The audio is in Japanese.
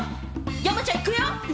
山ちゃん、行くよ！